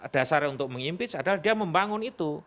dasarnya untuk mengimpeach adalah dia membangun itu